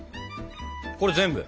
これ全部？